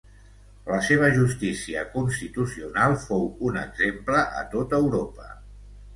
La seva justícia constitucional fou un exemple a tot Europa.